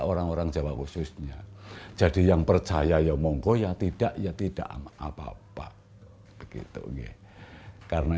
orang orang jawa khususnya jadi yang percaya ya monggo ya tidak ya tidak apa apa begitu karena